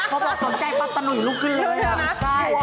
เขาบอกตอบใจปรับตะหนุ่ยลุกขึ้นเลย